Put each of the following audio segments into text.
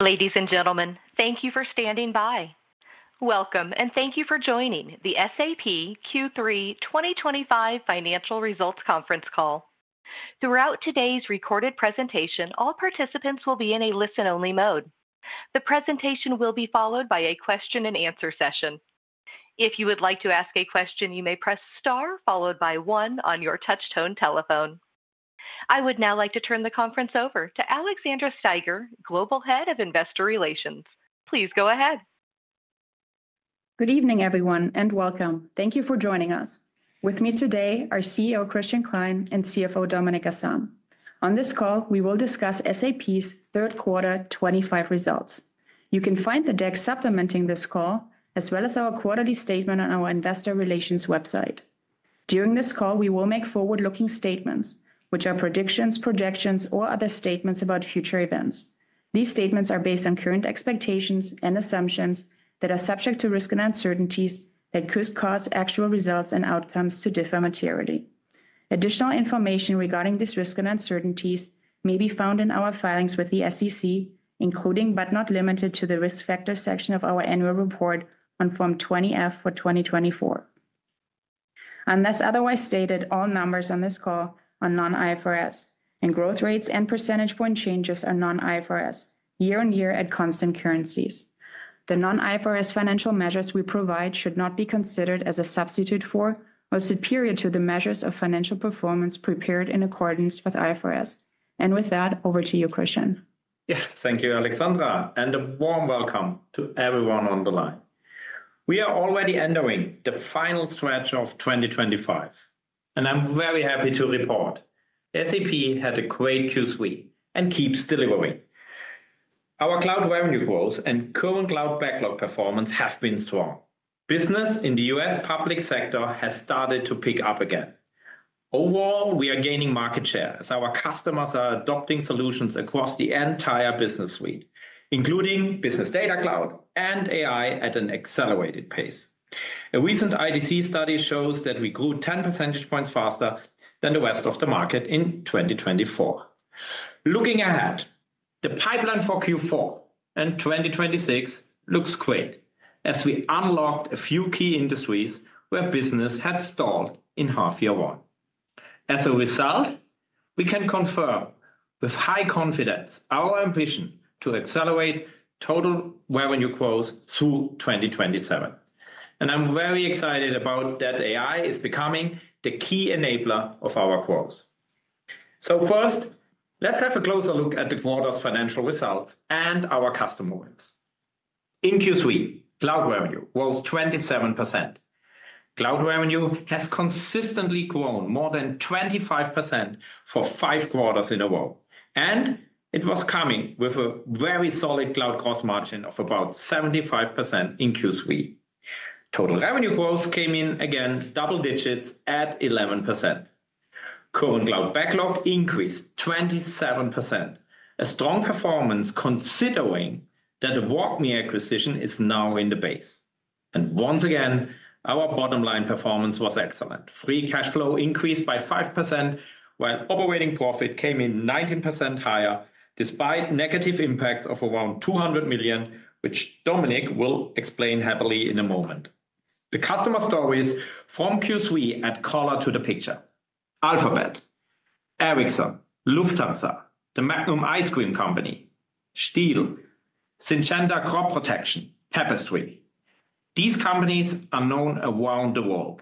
Ladies and gentlemen, thank you for standing by. Welcome, and thank you for joining the SAP Q3 2025 financial results conference call. Throughout today's recorded presentation, all participants will be in a listen-only mode. The presentation will be followed by a question and answer session. If you would like to ask a question, you may press star followed by one on your touch-tone telephone. I would now like to turn the conference over to Alexandra Steiger, Global Head of Investor Relations. Please go ahead. Good evening, everyone, and welcome. Thank you for joining us. With me today are CEO Christian Klein and CFO Dominik Asam. On this call, we will discuss SAP's third quarter 2025 results. You can find the deck supplementing this call, as well as our quarterly statement on our investor relations website. During this call, we will make forward-looking statements, which are predictions, projections, or other statements about future events. These statements are based on current expectations and assumptions that are subject to risk and uncertainties that could cause actual results and outcomes to differ materially. Additional information regarding these risks and uncertainties may be found in our filings with the SEC, including but not limited to the risk factor section of our annual report on Form 20-F for 2024. Unless otherwise stated, all numbers on this call are non-IFRS, and growth rates and percentage point changes are non-IFRS, year-on-year at constant currencies. The non-IFRS financial measures we provide should not be considered as a substitute for or superior to the measures of financial performance prepared in accordance with IFRS. With that, over to you, Christian. Thank you, Alexandra, and a warm welcome to everyone on the line. We are already entering the final stretch of 2025, and I'm very happy to report SAP had a great Q3 and keeps delivering. Our cloud revenue growth and current cloud backlog performance have been strong. Business in the U.S. public sector has started to pick up again. Overall, we are gaining market share as our customers are adopting solutions across the entire business suite, including Business Data Cloud and AI at an accelerated pace. A recent IDC study shows that we grew 10% faster than the rest of the market in 2024. Looking ahead, the pipeline for Q4 and 2026 looks great as we unlocked a few key industries where business had stalled in half year one. As a result, we can confirm with high confidence our ambition to accelerate total revenue growth through 2027. I'm very excited that AI is becoming the key enabler of our growth. First, let's have a closer look at the quarter's financial results and our customer wins. In Q3, cloud revenue rose 27%. Cloud revenue has consistently grown more than 25% for five quarters in a row, and it was coming with a very solid cloud gross margin of about 75% in Q3. Total revenue growth came in again double digits at 11%. Current cloud backlog increased 27%, a strong performance considering that the WalkMe acquisition is now in the base. Once again, our bottom line performance was excellent. Free cash flow increased by 5%, while operating profit came in 19% higher despite negative impacts of around 200 million, which Dominik will explain in a moment. The customer stories from Q3 add color to the picture. Alphabet, Ericsson, Lufthansa, the Magnum ice cream company, Stihl, Syngenta Crop Protection, Tapestry. These companies are known around the world.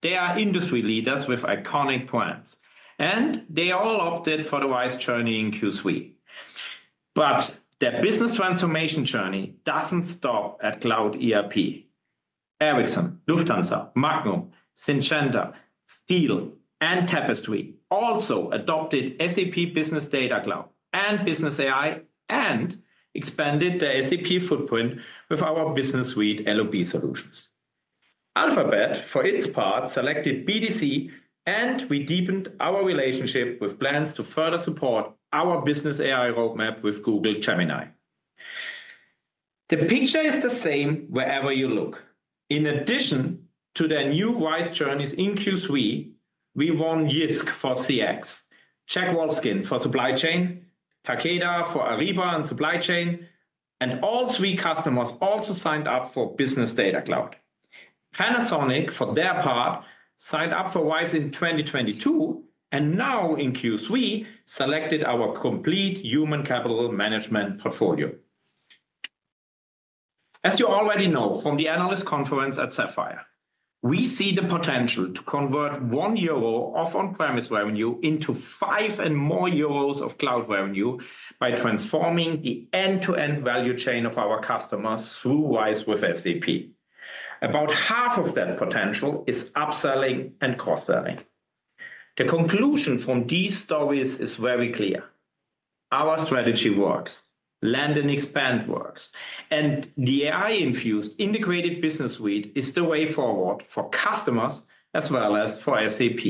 They are industry leaders with iconic brands, and they all opted for the wise journey in Q3. Their business transformation journey doesn't stop at cloud ERP. Ericsson, Lufthansa, Magnum, Syngenta, Stihl, and Tapestry also adopted SAP Business Data Cloud and Business AI and expanded the SAP footprint with our business suite LOB Solutions. Alphabet, for its part, selected BDC, and we deepened our relationship with plans to further support our Business AI roadmap with Google Gemini. The picture is the same wherever you look. In addition to their new RISE journeys in Q3, we won Jysk for CX, Czech Wallskin for supply chain, Takeda for Ariba and supply chain, and all three customers also signed up for Business Data Cloud. Panasonic, for their part, signed up for RISE in 2022 and now in Q3 selected our complete human capital management portfolio. As you already know from the analyst conference at Sapphire, we see the potential to convert one euro of on-premise revenue into five and more euros of cloud revenue by transforming the end-to-end value chain of our customers through RISE with SAP. About half of that potential is upselling and cross-selling. The conclusion from these stories is very clear. Our strategy works, land and expand works, and the AI-infused integrated business suite is the way forward for customers as well as for SAP.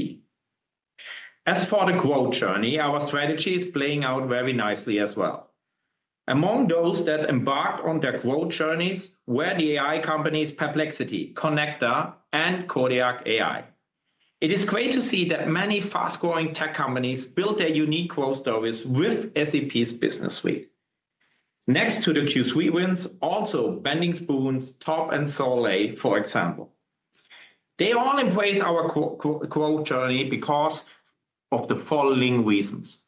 As for the growth journey, our strategy is playing out very nicely as well. Among those that embarked on their growth journeys were the AI companies Perplexity, Connecta, and Kodiak AI. It is great to see that many fast-growing tech companies built their unique growth stories with SAP's business suite. Next to the Q3 wins, also Bending Spoons, [Top, and Solid], for example. They all embrace our growth journey because of the following reasons.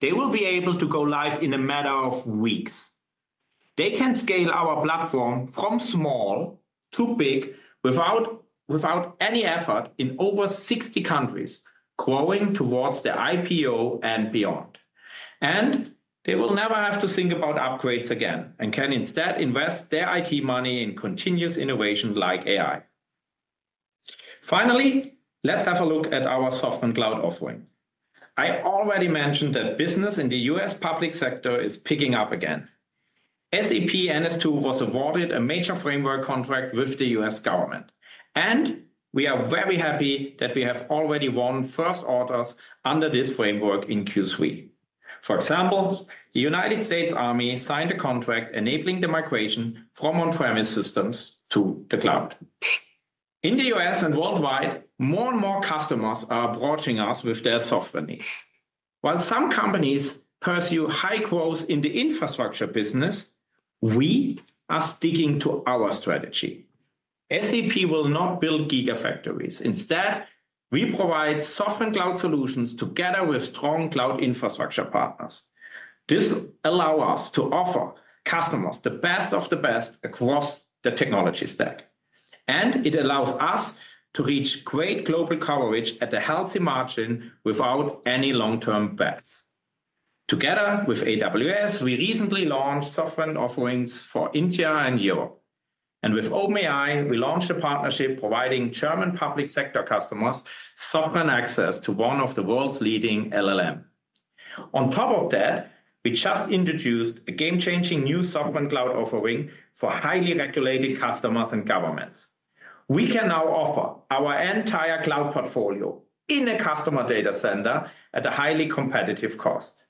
They will be able to go live in a matter of weeks. They can scale our platform from small to big without any effort in over 60 countries, growing towards the IPO and beyond. They will never have to think about upgrades again and can instead invest their IT money in continuous innovation like AI. Finally, let's have a look at our software and cloud offering. I already mentioned that business in the U.S. public sector is picking up again. SAP NS2 was awarded a major framework contract with the U.S. government, and we are very happy that we have already won first orders under this framework in Q3. For example, the United States Army signed a contract enabling the migration from on-premise systems to the cloud. In the U.S. and worldwide, more and more customers are approaching us with their software needs. While some companies pursue high growth in the infrastructure business, we are sticking to our strategy. SAP will not build gigafactories. Instead, we provide software and cloud solutions together with strong cloud infrastructure partners. This allows us to offer customers the best of the best across the technology stack, and it allows us to reach great global coverage at a healthy margin without any long-term bans. Together with AWS, we recently launched software and offerings for India and Europe. With OpenAI, we launched a partnership providing German public sector customers software and access to one of the world's leading LLMs. On top of that, we just introduced a game-changing new software and cloud offering for highly regulated customers and governments. We can now offer our entire cloud portfolio in a customer data center at a highly competitive cost.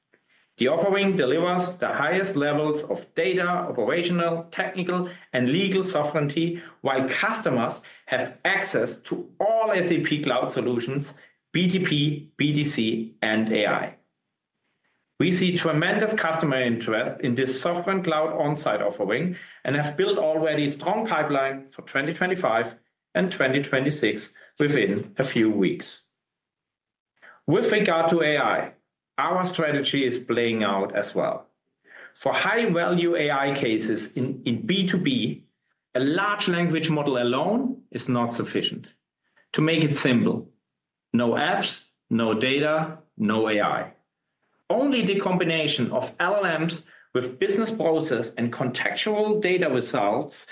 The offering delivers the highest levels of data, operational, technical, and legal sovereignty while customers have access to all SAP cloud solutions, BTP, BDC, and AI. We see tremendous customer interest in this software and cloud on-site offering and have built already a strong pipeline for 2025 and 2026 within a few weeks. With regard to AI, our strategy is playing out as well. For high-value AI cases in B2B, a large language model alone is not sufficient. To make it simple, no apps, no data, no AI. Only the combination of LLMs with business processes and contextual data results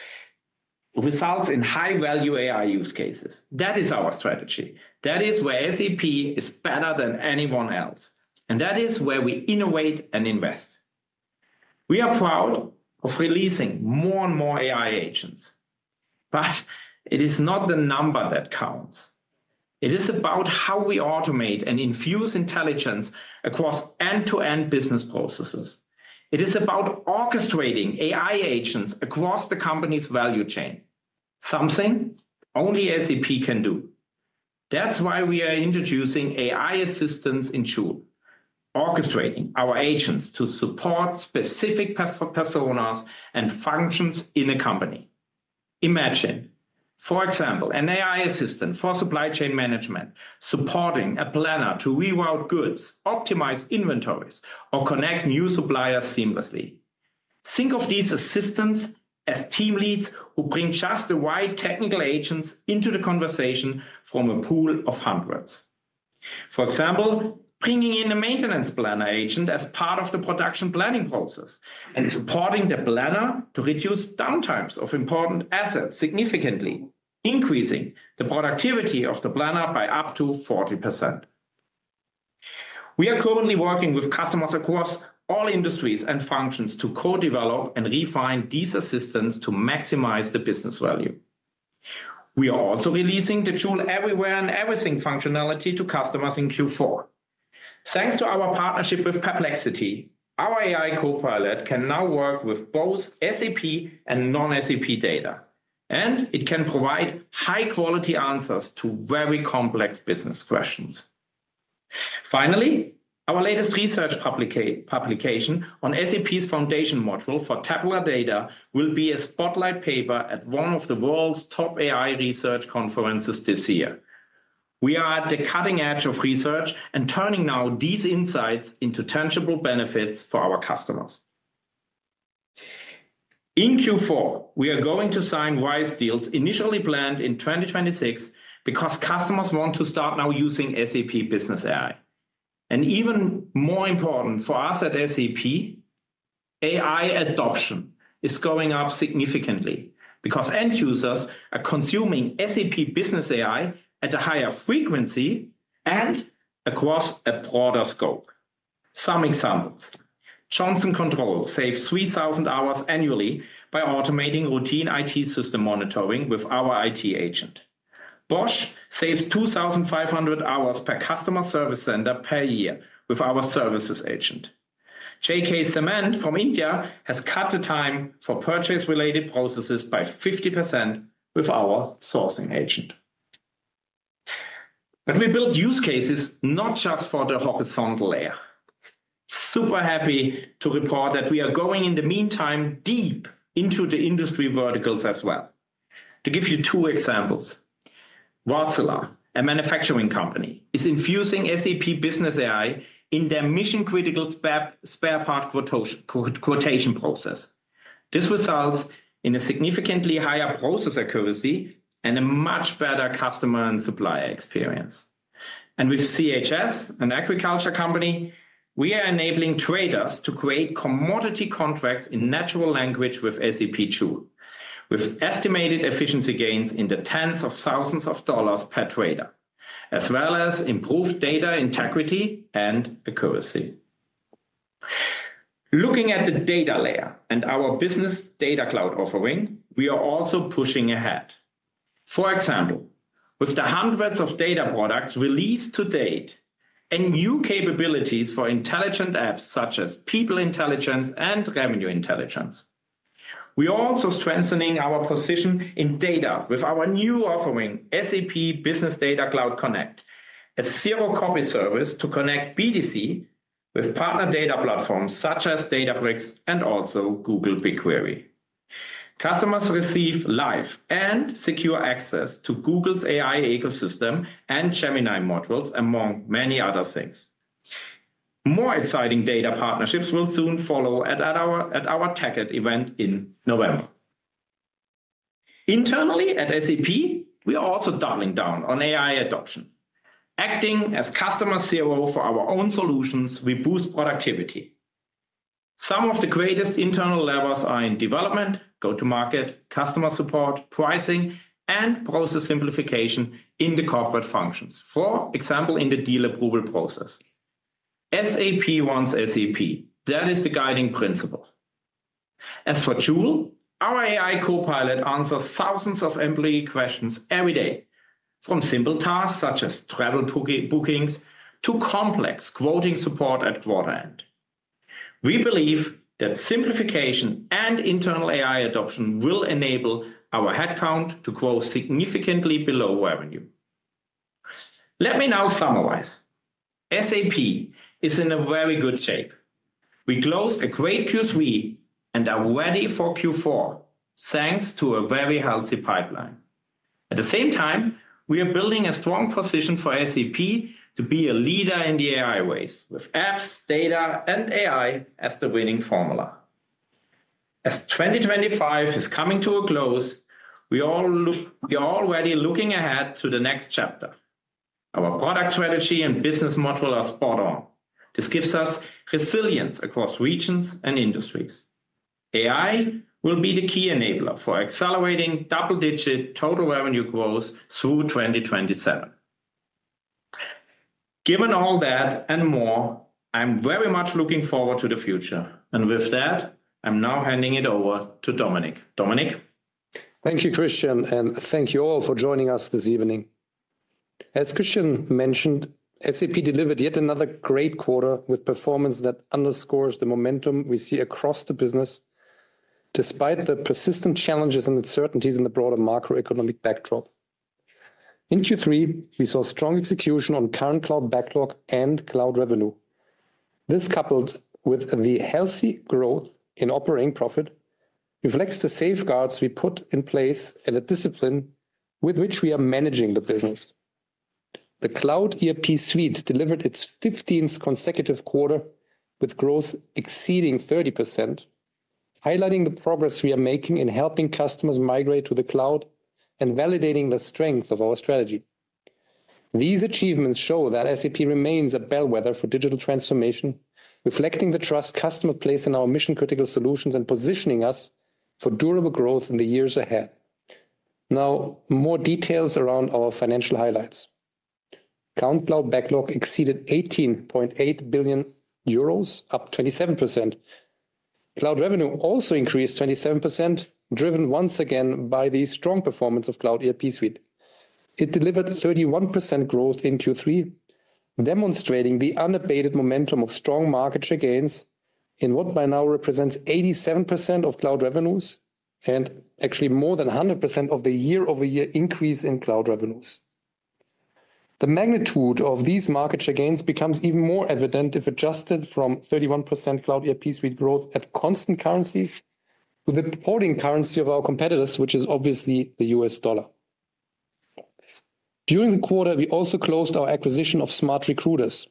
in high-value AI use cases. That is our strategy. That is where SAP is better than anyone else, and that is where we innovate and invest. We are proud of releasing more and more AI agents, but it is not the number that counts. It is about how we automate and infuse intelligence across end-to-end business processes. It is about orchestrating AI agents across the company's value chain, something only SAP can do. That's why we are introducing AI assistants in tool, orchestrating our agents to support specific personas and functions in a company. Imagine, for example, an AI assistant for supply chain management supporting a planner to reroute goods, optimize inventories, or connect new suppliers seamlessly. Think of these assistants as team leads who bring just the right technical agents into the conversation from a pool of hundreds. For example, bringing in a maintenance planner agent as part of the production planning process and supporting the planner to reduce downtimes of important assets significantly, increasing the productivity of the planner by up to 40%. We are currently working with customers across all industries and functions to co-develop and refine these assistants to maximize the business value. We are also releasing the tool everywhere and everything functionality to customers in Q4. Thanks to our partnership with Perplexity, our AI copilot can now work with both SAP and non-SAP data, and it can provide high-quality answers to very complex business questions. Finally, our latest research publication on SAP's foundation module for tabular data will be a spotlight paper at one of the world's top AI research conferences this year. We are at the cutting edge of research and turning now these insights into tangible benefits for our customers. In Q4, we are going to sign Wise deals initially planned in 2026 because customers want to start now using SAP Business AI. Even more important for us at SAP, AI adoption is going up significantly because end users are consuming SAP Business AI at a higher frequency and across a broader scope. Some examples: Johnson Controls saves 3,000 hours annually by automating routine IT system monitoring with our IT agent. Bosch saves 2,500 hours per customer service center per year with our services agent. JK Cement from India has cut the time for purchase-related processes by 50% with our sourcing agent. We build use cases not just for the horizontal layer. Super happy to report that we are going in the meantime deep into the industry verticals as well. To give you two examples, Wärtsilä, a manufacturing company, is infusing SAP Business AI in their mission-critical spare part quotation process. This results in a significantly higher process accuracy and a much better customer and supplier experience. With CHS, an agriculture company, we are enabling traders to create commodity contracts in natural language with SAP tool, with estimated efficiency gains in the tens of thousands of dollars per trader, as well as improved data integrity and accuracy. Looking at the data layer and our business data cloud offering, we are also pushing ahead. For example, with the hundreds of data products released to date and new capabilities for intelligent apps such as people intelligence and revenue intelligence, we are also strengthening our position in data with our new offering, SAP Business Data Cloud Connect, a zero-copy service to connect BDC with partner data platforms such as Databricks and also Google BigQuery. Customers receive live and secure access to Google's AI ecosystem and Gemini modules, among many other things. More exciting data partnerships will soon follow at our TechEd event in November. Internally at SAP, we are also doubling down on AI adoption. Acting as customer CRO for our own solutions, we boost productivity. Some of the greatest internal levers are in development, go-to-market, customer support, pricing, and process simplification in the corporate functions, for example, in the deal approval process. SAP wants SAP. That is the guiding principle. As for Joule, our AI copilot answers thousands of employee questions every day, from simple tasks such as travel bookings to complex quoting support at quarter end. We believe that simplification and internal AI adoption will enable our headcount to grow significantly below revenue. Let me now summarize. SAP is in a very good shape. We closed a great Q3 and are ready for Q4, thanks to a very healthy pipeline. At the same time, we are building a strong position for SAP to be a leader in the AI race with apps, data, and AI as the winning formula. As 2025 is coming to a close, we are already looking ahead to the next chapter. Our product strategy and business model are spot on. This gives us resilience across regions and industries. AI will be the key enabler for accelerating double-digit total revenue growth through 2027. Given all that and more, I'm very much looking forward to the future. With that, I'm now handing it over to Dominik. Dominik? Thank you, Christian, and thank you all for joining us this evening. As Christian mentioned, SAP delivered yet another great quarter with performance that underscores the momentum we see across the business, despite the persistent challenges and uncertainties in the broader macroeconomic backdrop. In Q3, we saw strong execution on current cloud backlog and cloud revenue. This, coupled with the healthy growth in operating profit, reflects the safeguards we put in place and the discipline with which we are managing the business. The cloud ERP suite delivered its 15th consecutive quarter with growth exceeding 30%, highlighting the progress we are making in helping customers migrate to the cloud and validating the strength of our strategy. These achievements show that SAP remains a bellwether for digital transformation, reflecting the trust customers place in our mission-critical solutions and positioning us for durable growth in the years ahead. Now, more details around our financial highlights. Account cloud backlog exceeded 18.8 billion euros, up 27%. Cloud revenue also increased 27%, driven once again by the strong performance of cloud ERP suite. It delivered 31% growth in Q3, demonstrating the unabated momentum of strong market share gains in what by now represents 87% of cloud revenues and actually more than 100% of the year-over-year increase in cloud revenues. The magnitude of these market share gains becomes even more evident if adjusted from 31% cloud ERP suite growth at constant currencies to the reporting currency of our competitors, which is obviously the U.S. dollar. During the quarter, we also closed our acquisition of SmartRecruiters.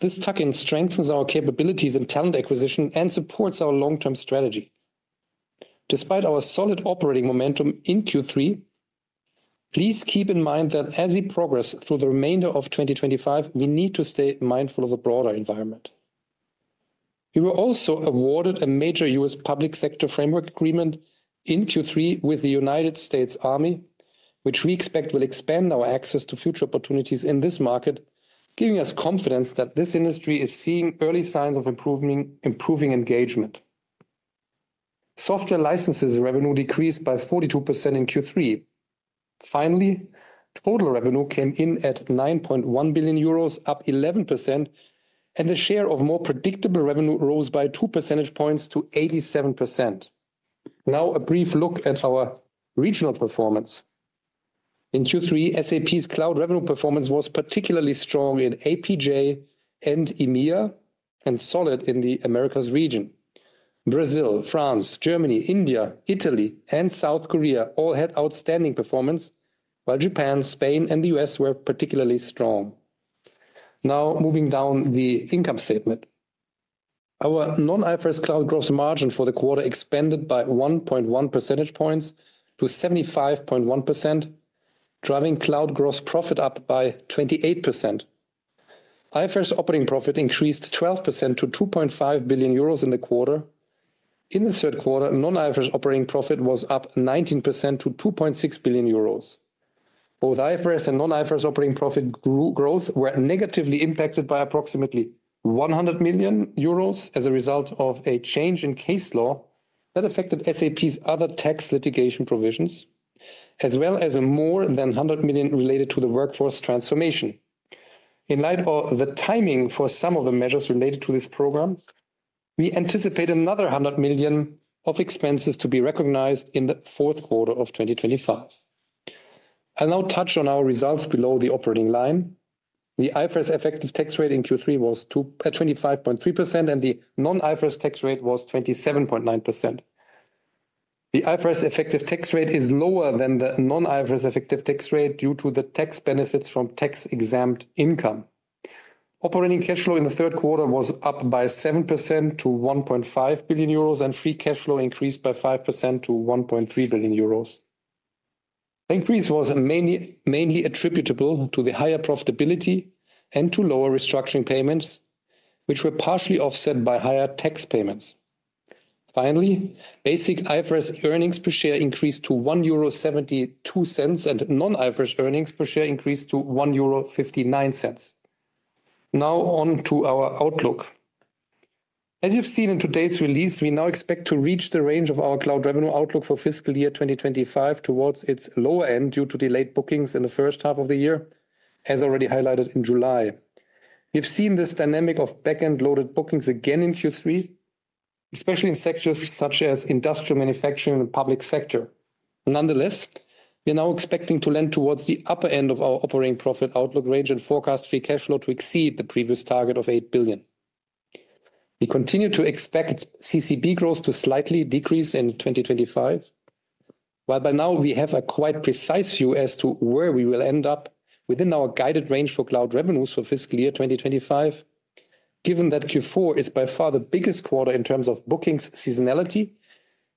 This tuck-in strengthens our capabilities in talent acquisition and supports our long-term strategy. Despite our solid operating momentum in Q3, please keep in mind that as we progress through the remainder of 2025, we need to stay mindful of the broader environment. We were also awarded a major U.S. public sector framework agreement in Q3 with the United States Army, which we expect will expand our access to future opportunities in this market, giving us confidence that this industry is seeing early signs of improving engagement. Software licenses revenue decreased by 42% in Q3. Finally, total revenue came in at 9.1 billion euros, up 11%, and the share of more predictable revenue rose by 2 percentage points to 87%. Now, a brief look at our regional performance. In Q3, SAP's cloud revenue performance was particularly strong in APJ and EMEA, and solid in the Americas region. Brazil, France, Germany, India, Italy, and South Korea all had outstanding performance, while Japan, Spain, and the U.S. were particularly strong. Now, moving down the income statement. Our non-IFRS cloud gross margin for the quarter expanded by 1.1 percentage points to 75.1%, driving cloud gross profit up by 28%. IFRS operating profit increased 12% to 2.5 billion euros in the quarter. In the third quarter, non-IFRS operating profit was up 19% to 2.6 billion euros. Both IFRS and non-IFRS operating profit growth were negatively impacted by approximately 100 million euros as a result of a change in case law that affected SAP's other tax litigation provisions, as well as more than 100 million related to the workforce transformation. In light of the timing for some of the measures related to this program, we anticipate another 100 million of expenses to be recognized in the fourth quarter of 2025. I'll now touch on our results below the operating line. The IFRS effective tax rate in Q3 was 25.3%, and the non-IFRS tax rate was 27.9%. The IFRS effective tax rate is lower than the non-IFRS effective tax rate due to the tax benefits from tax-exempt income. Operating cash flow in the third quarter was up by 7% to 1.5 billion euros, and free cash flow increased by 5% to 1.3 billion euros. The increase was mainly attributable to the higher profitability and to lower restructuring payments, which were partially offset by higher tax payments. Finally, basic IFRS earnings per share increased to 1.72 euro, and non-IFRS earnings per share increased to 1.59 euro. Now, on to our outlook. As you've seen in today's release, we now expect to reach the range of our cloud revenue outlook for fiscal year 2025 towards its lower end due to delayed bookings in the first half of the year, as already highlighted in July. We've seen this dynamic of backend loaded bookings again in Q3, especially in sectors such as industrial manufacturing and the public sector. Nonetheless, we are now expecting to land towards the upper end of our operating profit outlook range and forecast free cash flow to exceed the previous target of 8 billion. We continue to expect CCB growth to slightly decrease in 2025. While by now we have a quite precise view as to where we will end up within our guided range for cloud revenues for fiscal year 2025, given that Q4 is by far the biggest quarter in terms of bookings seasonality,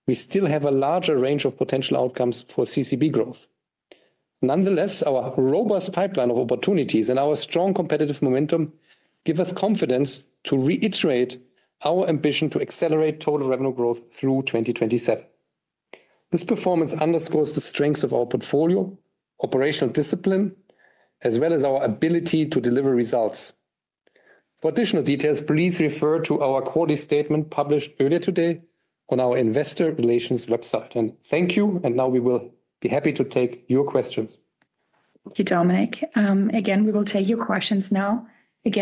we still have a larger range of potential outcomes for CCB growth. Nonetheless, our robust pipeline of opportunities and our strong competitive momentum give us confidence to reiterate our ambition to accelerate total revenue growth through 2027. This performance underscores the strengths of our portfolio, operational discipline, as well as our ability to deliver results. For additional details, please refer to our quarterly statement published earlier today on our investor relations website. Thank you, we will be happy to take your questions. Thank you, Dominik. Again, we will take your questions now.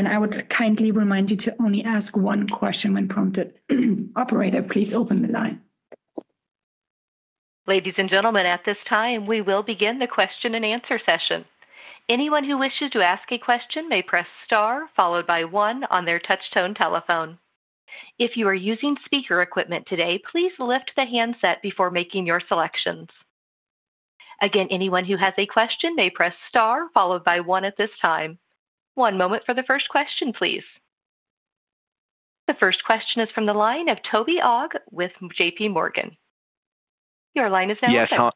I would kindly remind you to only ask one question when prompted. Operator, please open the line. Ladies and gentlemen, at this time, we will begin the question and answer session. Anyone who wishes to ask a question may press star followed by one on their touch-tone telephone. If you are using speaker equipment today, please lift the handset before making your selections. Again, anyone who has a question may press star followed by one at this time. One moment for the first question, please. The first question is from the line of [Toby Og] with JPMorgan. Your line is now set.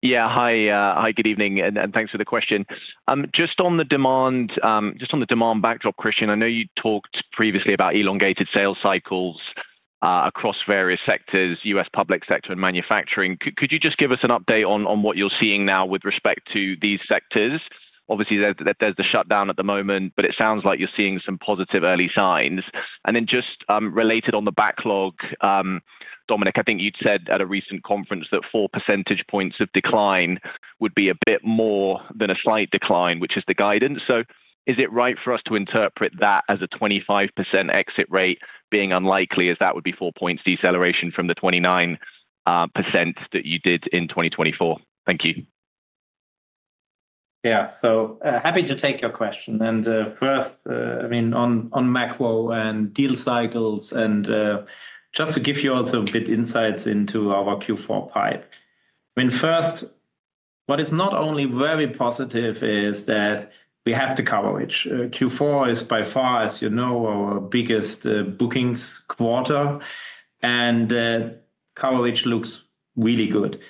Yeah, hi. Hi, good evening, and thanks for the question. Just on the demand backdrop, Christian, I know you talked previously about elongated sales cycles across various sectors, U.S. public sector and manufacturing. Could you just give us an update on what you're seeing now with respect to these sectors? Obviously, there's the shutdown at the moment, but it sounds like you're seeing some positive early signs. Just related on the backlog, Dominik, I think you'd said at a recent conference that 4 percentage points of decline would be a bit more than a slight decline, which is the guidance. Is it right for us to interpret that as a 25% exit rate being unlikely, as that would be 4 points deceleration from the 29% that you did in 2024? Thank you. Yeah, happy to take your question. First, on macro and deal cycles, just to give you also a bit of insights into our Q4 pipe. First, what is not only very positive is that we have the coverage. Q4 is by far, as you know, our biggest bookings quarter, and coverage looks really good.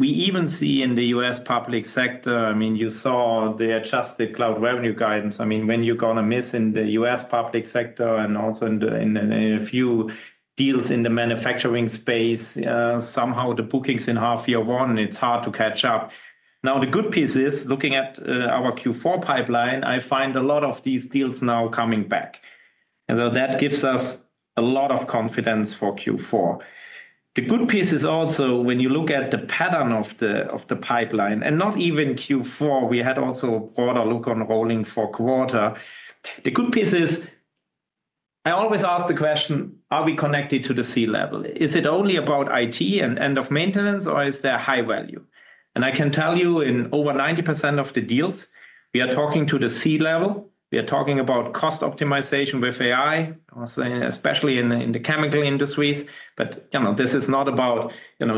We even see in the U.S. public sector, you saw the adjusted cloud revenue guidance. When you're going to miss in the U.S. public sector and also in a few deals in the manufacturing space, somehow the bookings in half year one, it's hard to catch up. The good piece is looking at our Q4 pipeline, I find a lot of these deals now coming back, and that gives us a lot of confidence for Q4. The good piece is also when you look at the pattern of the pipeline, and not even Q4, we had also a broader look on rolling fourth quarter. The good piece is I always ask the question, are we connected to the C level? Is it only about IT and end of maintenance, or is there high value? I can tell you in over 90% of the deals, we are talking to the C level. We are talking about cost optimization with AI, especially in the chemical industries. This is not about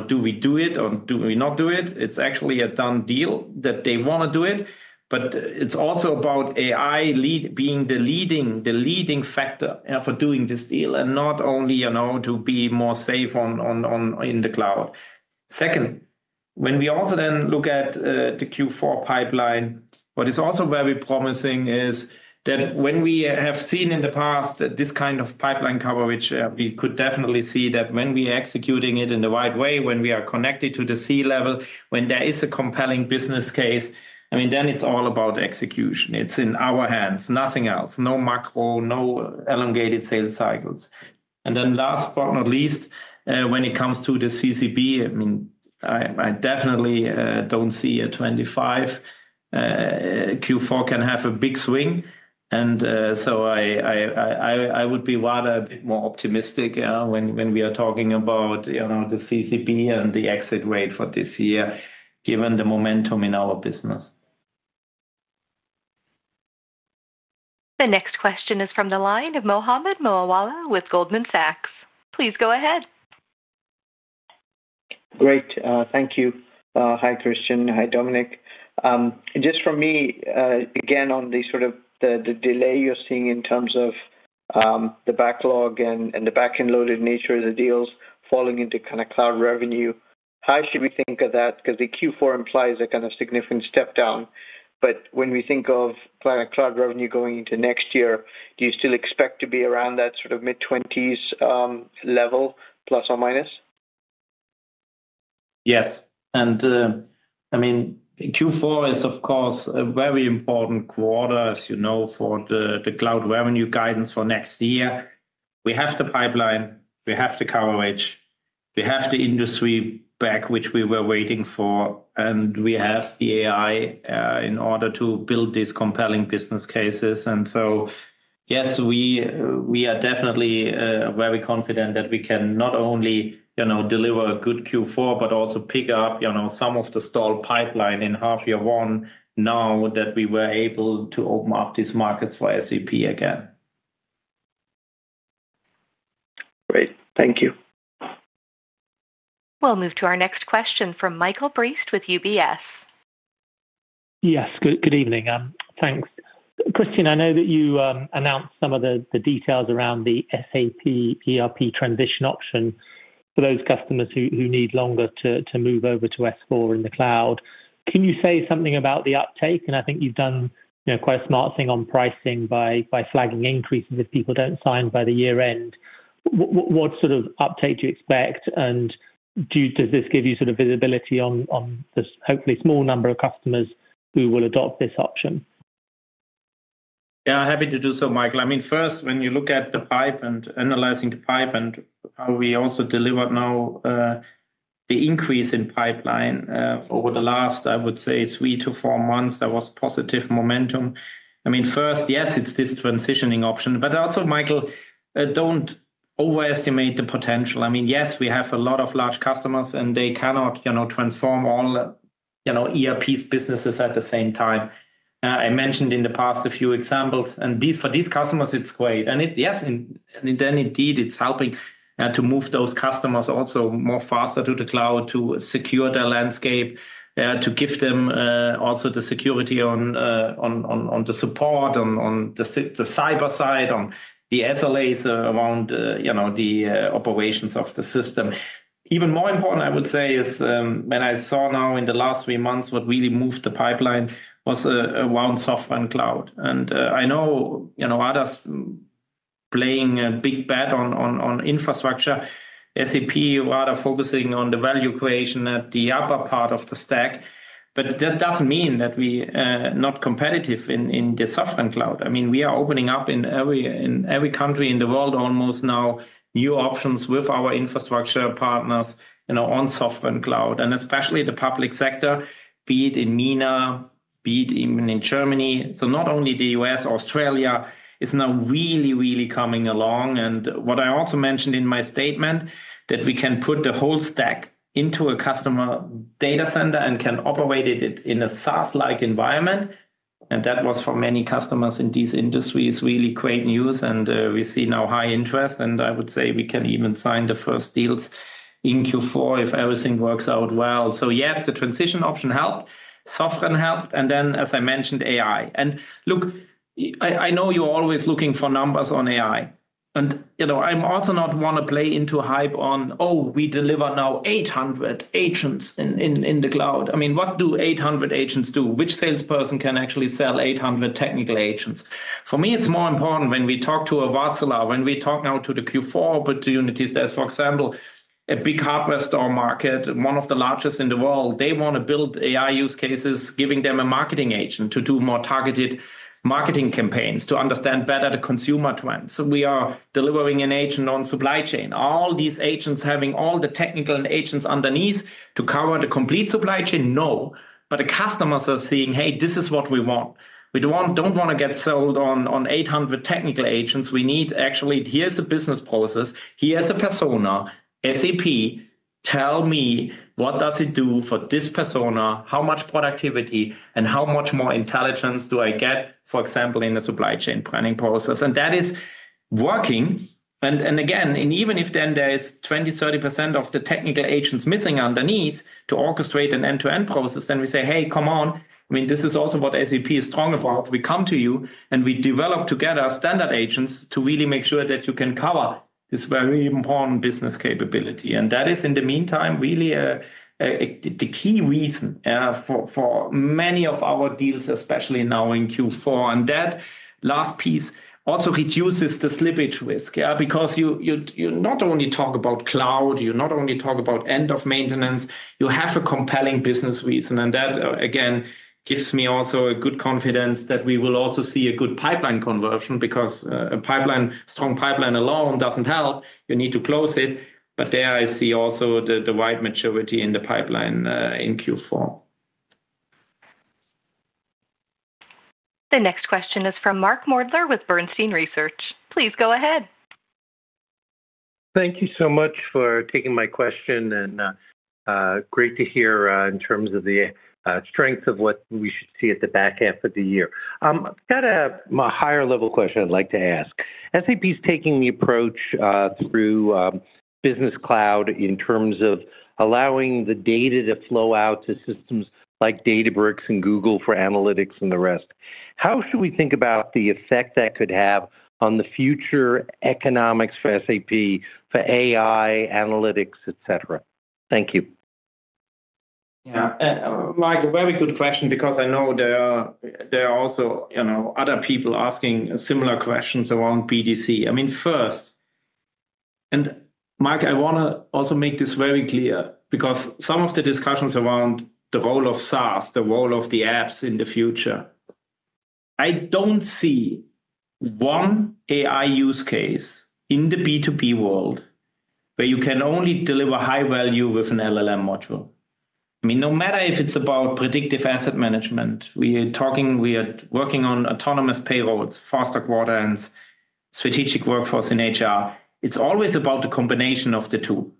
do we do it or do we not do it. It's actually a done deal that they want to do it. It's also about AI being the leading factor for doing this deal and not only to be more safe in the cloud. Second, when we also then look at the Q4 pipeline, what is also very promising is that when we have seen in the past this kind of pipeline coverage, we could definitely see that when we are executing it in the right way, when we are connected to the C level, when there is a compelling business case, then it's all about execution. It's in our hands, nothing else. No macro, no elongated sales cycles. Last but not least, when it comes to the CCB, I definitely don't see a 2025 Q4 can have a big swing. I would be rather a bit more optimistic when we are talking about the CCB and the exit rate for this year, given the momentum in our business. The next question is from the line of Mohammed Moawalla with Goldman Sachs. Please go ahead. Great, thank you. Hi, Christian. Hi, Dominik. Just for me, again, on the sort of the delay you're seeing in terms of the backlog and the back-end loaded nature of the deals falling into kind of cloud revenue, how should we think of that? The Q4 implies a kind of significant step down. When we think of cloud revenue going into next year, do you still expect to be around that sort of mid-20s level, plus or minus? Yes, and I mean, Q4 is, of course, a very important quarter, as you know, for the cloud revenue guidance for next year. We have the pipeline, we have the coverage, we have the industry back which we were waiting for, and we have the AI in order to build these compelling business cases. Yes, we are definitely very confident that we can not only deliver a good Q4, but also pick up some of the stalled pipeline in half year one now that we were able to open up these markets for SAP again. Great, thank you. We'll move to our next question from Michael Briest with UBS. Yes, good evening. Thanks. Christian, I know that you announced some of the details around the SAP ERP transition option for those customers who need longer to move over to S/4HANA in the cloud. Can you say something about the uptake? I think you've done quite a smart thing on pricing by flagging increases if people don't sign by the year end. What sort of uptake do you expect? Does this give you sort of visibility on the hopefully small number of customers who will adopt this option? Yeah, happy to do so, Michael. First, when you look at the pipe and analyzing the pipe and how we also deliver now the increase in pipeline over the last, I would say, three to four months, there was positive momentum. First, yes, it's this transitioning option, but also, Michael, don't overestimate the potential. Yes, we have a lot of large customers and they cannot transform all ERP businesses at the same time. I mentioned in the past a few examples, and for these customers, it's great. Yes, indeed it's helping to move those customers also more faster to the cloud to secure their landscape, to give them also the security on the support, on the cyber side, on the SLAs around the operations of the system. Even more important, I would say, is when I saw now in the last three months what really moved the pipeline was around software and cloud. I know others are playing a big bet on infrastructure. SAP is rather focusing on the value creation at the upper part of the stack. That doesn't mean that we are not competitive in the software and cloud. We are opening up in every country in the world almost now new options with our infrastructure partners on software and cloud. Especially the public sector, be it in MENA, be it even in Germany. Not only the U.S., Australia is now really, really coming along. What I also mentioned in my statement, that we can put the whole stack into a customer data center and can operate it in a SaaS-like environment. That was for many customers in these industries really great news. We see now high interest, and I would say we can even sign the first deals in Q4 if everything works out well. Yes, the transition option helped, software helped, and then, as I mentioned, AI. Look, I know you're always looking for numbers on AI. I also don't want to play into hype on, oh, we deliver now 800 agents in the cloud. What do 800 agents do? Which salesperson can actually sell 800 technical agents? For me, it's more important when we talk to a Wärtsilä, when we talk now to the Q4 opportunities. There's, for example, a big hardware store market, one of the largest in the world. They want to build AI use cases, giving them a marketing agent to do more targeted marketing campaigns, to understand better the consumer trends. We are delivering an agent on supply chain. Are all these agents having all the technical agents underneath to cover the complete supply chain? No, but the customers are seeing, hey, this is what we want. We don't want to get sold on 800 technical agents. We need actually, here's a business process, here's a persona, SAP, tell me what does it do for this persona, how much productivity, and how much more intelligence do I get, for example, in a supply chain planning process? That is working. Even if then there is 20%, 30% of the technical agents missing underneath to orchestrate an end-to-end process, we say, hey, come on. This is also what SAP is strong about. We come to you and we develop together standard agents to really make sure that you can cover this very important business capability. That is, in the meantime, really the key reason for many of our deals, especially now in Q4. That last piece also reduces the slippage risk because you not only talk about cloud, you not only talk about end-of-maintenance, you have a compelling business reason. That, again, gives me also a good confidence that we will also see a good pipeline conversion because a strong pipeline alone doesn't help. You need to close it. There I see also the wide maturity in the pipeline in Q4. The next question is from Mark Moerdler with Bernstein Research. Please go ahead. Thank you so much for taking my question, and great to hear in terms of the strength of what we should see at the back half of the year. I've got a higher-level question I'd like to ask. SAP is taking the approach through Business Cloud in terms of allowing the data to flow out to systems like Databricks and Google for analytics and the rest. How should we think about the effect that could have on the future economics for SAP, for AI, analytics, et cetera? Thank you. Yeah, Mike, a very good question because I know there are also other people asking similar questions around BDC. First, and Mike, I want to also make this very clear because some of the discussions around the role of SaaS, the role of the apps in the future, I don't see one AI use case in the B2B world where you can only deliver high value with an LLM module. No matter if it's about predictive asset management, we are talking, we are working on autonomous payrolls, faster quarter ends, strategic workforce in HR. It's always about the combination of the two.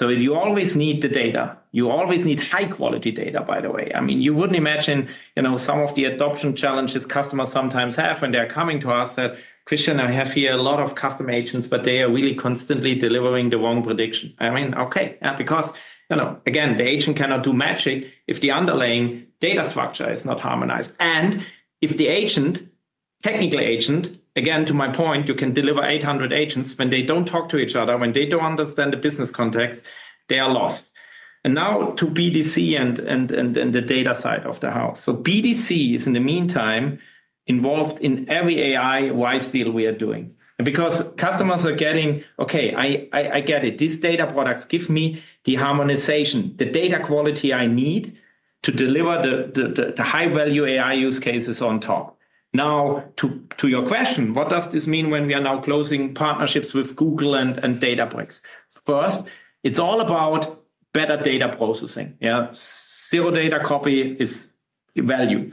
You always need the data. You always need high-quality data, by the way. You wouldn't imagine some of the adoption challenges customers sometimes have when they're coming to us that, Christian, I have here a lot of custom agents, but they are really constantly delivering the wrong prediction. Okay, because again, the agent cannot do magic if the underlying data structure is not harmonized. If the agent, technical agent, again, to my point, you can deliver 800 agents. When they don't talk to each other, when they don't understand the business context, they are lost. Now to BDC and the data side of the house. BDC is, in the meantime, involved in every AI wise deal we are doing. Customers are getting, okay, I get it. These data products give me the harmonization, the data quality I need to deliver the high-value AI use cases on top. Now, to your question, what does this mean when we are now closing partnerships with Google and Databricks? First, it's all about better data processing. Zero data copy is value.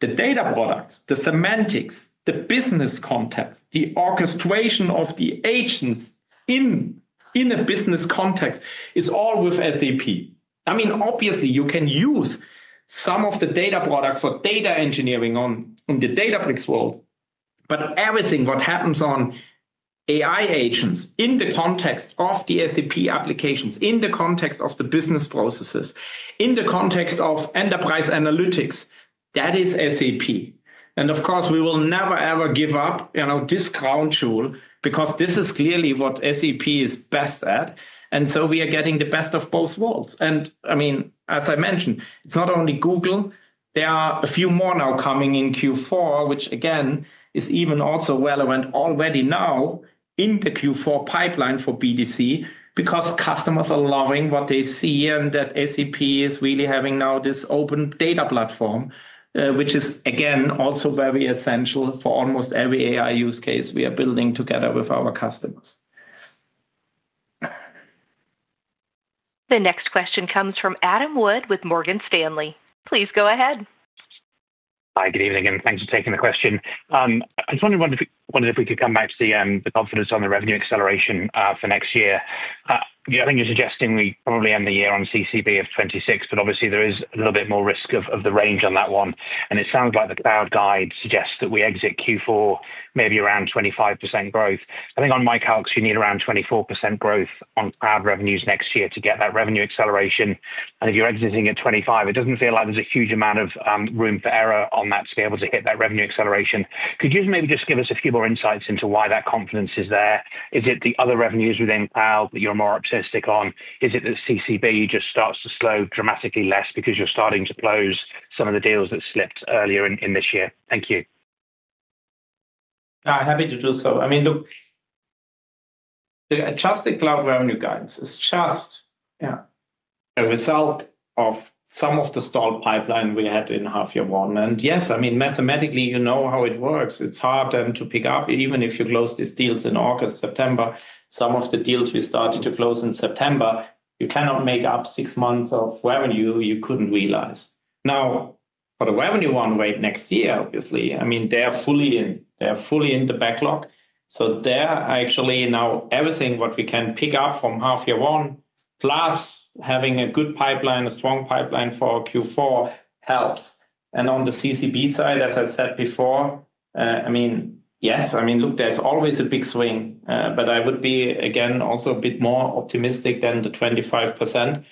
The data products, the semantics, the business context, the orchestration of the agents in a business context is all with SAP. Obviously, you can use some of the data products for data engineering in the Databricks world. Everything that happens on AI agents in the context of the SAP applications, in the context of the business processes, in the context of enterprise analytics, that is SAP. We will never, ever give up this crown jewel because this is clearly what SAP is best at. We are getting the best of both worlds. As I mentioned, it's not only Google. There are a few more now coming in Q4, which again is even also relevant already now in the Q4 pipeline for BDC because customers are loving what they see and that SAP is really having now this open data platform, which is again also very essential for almost every AI use case we are building together with our customers. The next question comes from Adam Wood with Morgan Stanley. Please go ahead. Hi, good evening, and thanks for taking the question. I just wondered if we could come back to the confidence on the revenue acceleration for next year. I think you're suggesting we probably end the year on CCB of 26 billion, but obviously there is a little bit more risk of the range on that one. It sounds like the cloud guide suggests that we exit Q4 maybe around 25% growth. I think on my calculation, you need around 24% growth on cloud revenues next year to get that revenue acceleration. If you're exiting at 25%, it doesn't feel like there's a huge amount of room for error on that to be able to hit that revenue acceleration. Could you maybe just give us a few more insights into why that confidence is there? Is it the other revenues within cloud that you're more optimistic on? Is it that CCB just starts to slow dramatically less because you're starting to close some of the deals that slipped earlier in this year? Thank you. Happy to do so. I mean, look, just the cloud revenue guidance is just a result of some of the stalled pipeline we had in half year one. Yes, I mean, mathematically, you know how it works. It's hard to pick up even if you close these deals in August, September. Some of the deals we started to close in September, you cannot make up six months of revenue you couldn't realize. Now, for the revenue one rate next year, obviously, I mean, they're fully in. They're fully in the backlog. They're actually now everything what we can pick up from half year one, plus having a good pipeline, a strong pipeline for Q4 helps. On the CCB side, as I said before, yes, I mean, look, there's always a big swing, but I would be again also a bit more optimistic than the 25%.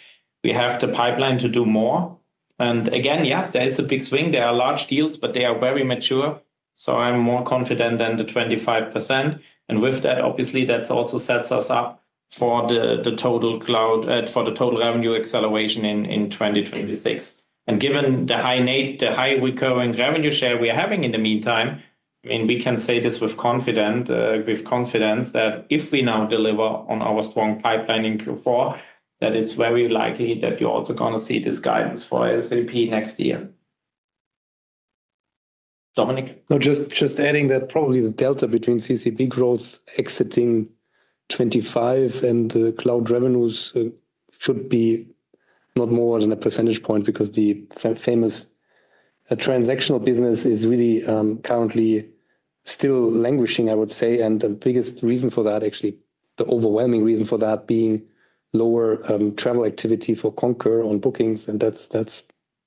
We have the pipeline to do more. Again, yes, there is a big swing. There are large deals, but they are very mature. I'm more confident than the 25%. With that, obviously, that also sets us up for the total cloud for the total revenue acceleration in 2026. Given the high recurring revenue share we're having in the meantime, I mean, we can say this with confidence that if we now deliver on our strong pipeline in Q4, it's very likely that you're also going to see this guidance for SAP next year. Dominik? No, just adding that probably the delta between CCB growth exiting 2025 and the cloud revenues should be not more than a percentage point because the famous transactional business is really currently still languishing, I would say. The biggest reason for that, actually, the overwhelming reason for that, is lower travel activity for Concur on bookings. That's,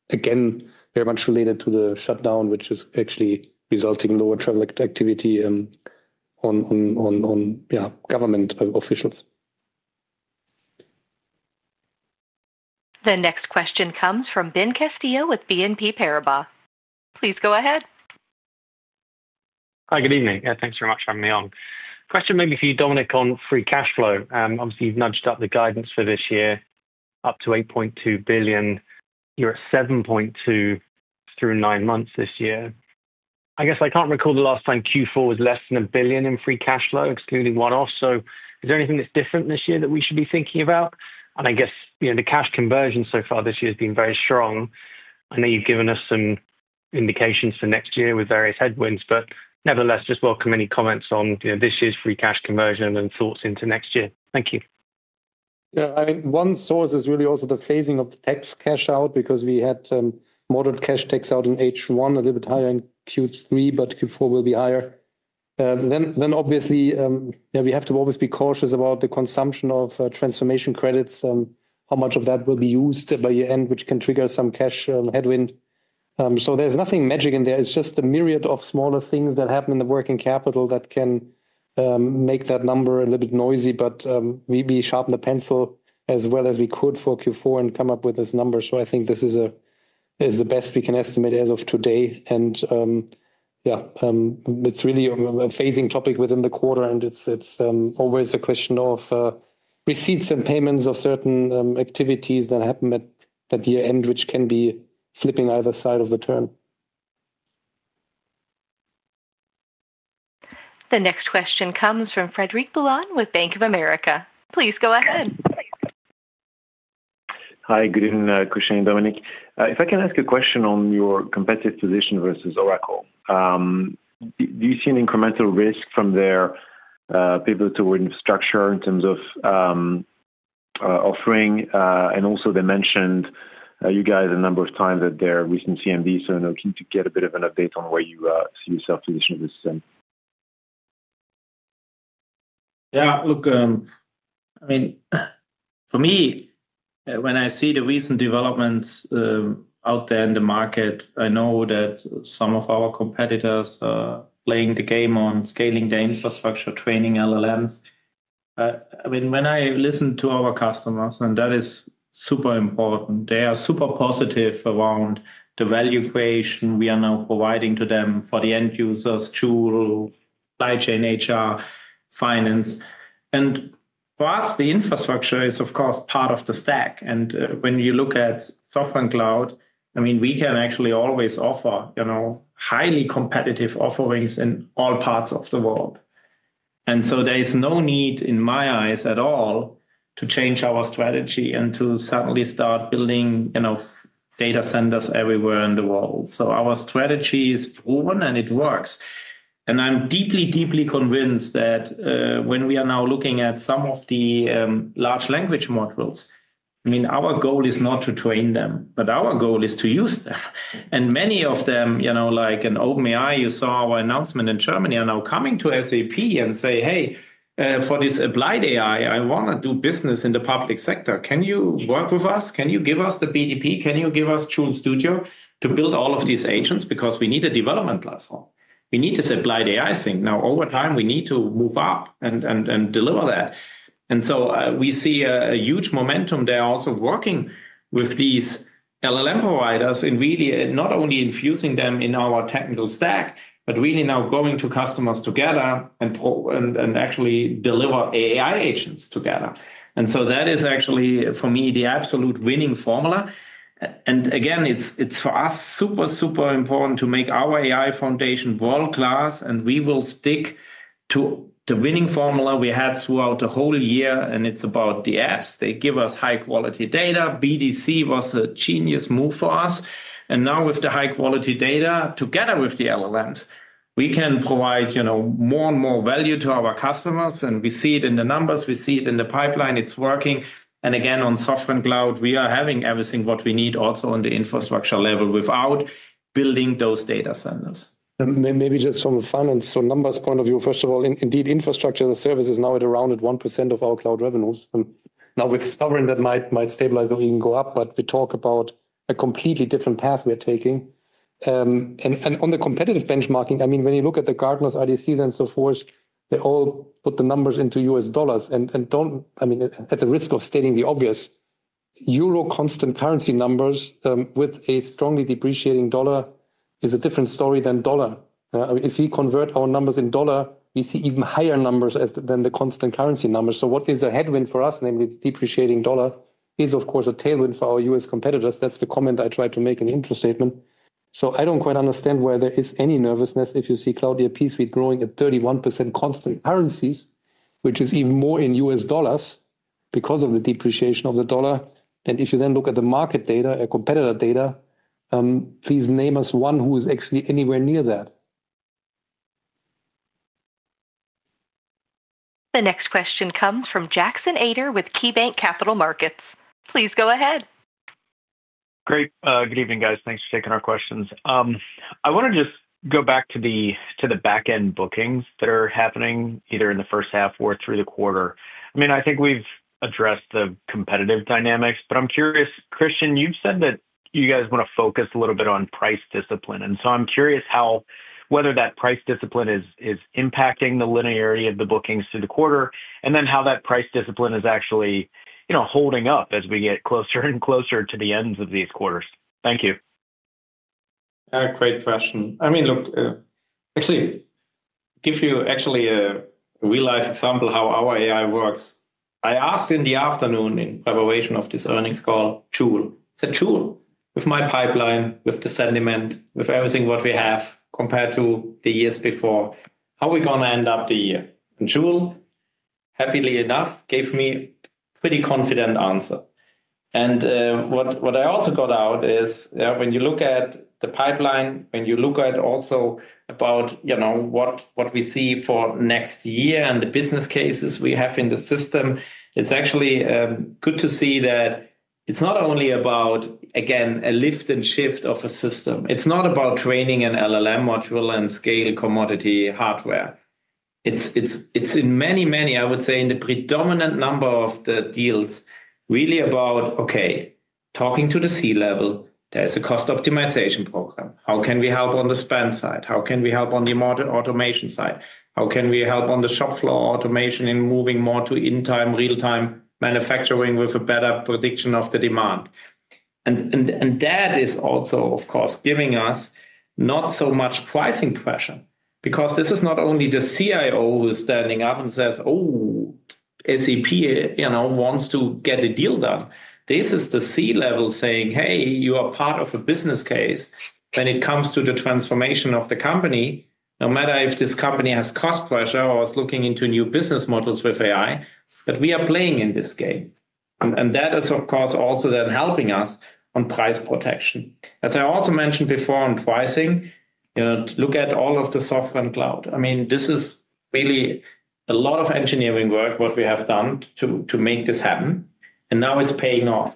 again, very much related to the shutdown, which is actually resulting in lower travel activity on government officials. The next question comes from [Ben Castillo] with BNP Paribas. Please go ahead. Hi, good evening. Yeah, thanks very much, I'm [Leong]. Question maybe for you, Dominik, on free cash flow. Obviously, you've nudged up the guidance for this year up to 8.2 billion. You're at 7.2 billion through nine months this year. I guess I can't recall the last time Q4 was less than 1 billion in free cash flow, excluding one-offs. Is there anything that's different this year that we should be thinking about? I guess the cash conversion so far this year has been very strong. I know you've given us some indications for next year with various headwinds, but nevertheless, just welcome any comments on this year's free cash conversion and thoughts into next year. Thank you. Yeah, I mean, one source is really also the phasing of the tax cash out because we had moderate cash tax out in H1, a little bit higher in Q3, but Q4 will be higher. Obviously, we have to always be cautious about the consumption of transformation credits, how much of that will be used by year end, which can trigger some cash headwind. There's nothing magic in there. It's just a myriad of smaller things that happen in the working capital that can make that number a little bit noisy. We sharpened the pencil as well as we could for Q4 and come up with this number. I think this is the best we can estimate as of today. It's really a phasing topic within the quarter, and it's always a question of receipts and payments of certain activities that happen at year end, which can be flipping either side of the turn. The next question comes from Frederic Boulan with Bank of America. Please go ahead. Hi, good evening, Christian and Dominik. If I can ask a question on your competitive position versus Oracle, do you see an incremental risk from their pivot toward infrastructure in terms of offering? They mentioned you guys a number of times at their recent CMV, so I'm looking to get a bit of an update on where you see yourself positioning this time. Yeah, look, I mean, for me, when I see the recent developments out there in the market, I know that some of our competitors are playing the game on scaling the infrastructure, training LLMs. I mean, when I listen to our customers, and that is super important, they are super positive around the value creation we are now providing to them for the end users, Joule, supply chain, HR, finance. For us, the infrastructure is, of course, part of the stack. When you look at software and cloud, I mean, we can actually always offer highly competitive offerings in all parts of the world. There is no need in my eyes at all to change our strategy and to suddenly start building data centers everywhere in the world. Our strategy is proven and it works. I'm deeply, deeply convinced that when we are now looking at some of the large language modules, I mean, our goal is not to train them, but our goal is to use them. Many of them, like an OpenAI, you saw our announcement in Germany, are now coming to SAP and saying, hey, for this applied AI, I want to do business in the public sector. Can you work with us? Can you give us the BDP? Can you give us Joule Studio to build all of these agents? Because we need a development platform. We need this applied AI thing. Over time, we need to move up and deliver that. We see a huge momentum there also working with these LLM providers in really not only infusing them in our technical stack, but really now going to customers together and actually deliver AI agents together. That is actually, for me, the absolute winning formula. Again, it's for us super, super important to make our AI foundation world-class. We will stick to the winning formula we had throughout the whole year. It's about the apps. They give us high-quality data. BDC was a genius move for us. Now with the high-quality data together with the LLMs, we can provide more and more value to our customers. We see it in the numbers. We see it in the pipeline. It's working. Again, on software and cloud, we are having everything what we need also on the infrastructure level without building those data centers. From a finance or numbers point of view, first of all, indeed, infrastructure as a service is now at around 1% of our cloud revenues. With Sovereign, that might stabilize or even go up, but we talk about a completely different path we're taking. On the competitive benchmarking, when you look at Gartner's RDCs and so forth, they all put the numbers into U.S. dollars. At the risk of stating the obvious, euro constant currency numbers with a strongly depreciating dollar is a different story than dollar. If we convert our numbers in dollar, we see even higher numbers than the constant currency numbers. What is a headwind for us, namely the depreciating dollar, is, of course, a tailwind for our U.S. competitors. That's the comment I tried to make in the interest statement. I don't quite understand why there is any nervousness if you see cloud ERP suite growing at 31% constant currencies, which is even more in U.S. dollars because of the depreciation of the dollar. If you then look at the market data, a competitor data, please name us one who is actually anywhere near that. The next question comes from Jackson Ader with KeyBanc Capital Markets. Please go ahead. Great, good evening, guys. Thanks for taking our questions. I want to just go back to the backend bookings that are happening either in the first half or through the quarter. I think we've addressed the competitive dynamics, but I'm curious, Christian, you've said that you guys want to focus a little bit on price discipline. I'm curious how whether that price discipline is impacting the linearity of the bookings through the quarter and then how that price discipline is actually holding up as we get closer and closer to the ends of these quarters. Thank you. Great question. I mean, look, actually, to give you a real-life example of how our AI works, I asked in the afternoon in preparation of this earnings call, Joule. I said, Joule, with my pipeline, with the sentiment, with everything what we have compared to the years before, how are we going to end up the year? Joule, happily enough, gave me a pretty confident answer. What I also got out is when you look at the pipeline, when you look at also about what we see for next year and the business cases we have in the system, it's actually good to see that it's not only about, again, a lift and shift of a system. It's not about training an LLM module and scale commodity hardware. In many, many, I would say, in the predominant number of the deals, it's really about, okay, talking to the C level, there's a cost optimization program. How can we help on the spend side? How can we help on the automation side? How can we help on the shop floor automation in moving more to in-time, real-time manufacturing with a better prediction of the demand? That is also, of course, giving us not so much pricing pressure because this is not only the CIO who is standing up and says, oh, SAP wants to get a deal done. This is the C level saying, hey, you are part of a business case when it comes to the transformation of the company, no matter if this company has cost pressure or is looking into new business models with AI, but we are playing in this game. That is, of course, also then helping us on price protection. As I also mentioned before on pricing, you know, look at all of the software and cloud. I mean, this is really a lot of engineering work what we have done to make this happen. Now it's paying off.